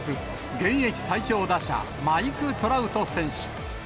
現役最強打者、マイク・トラウト選手。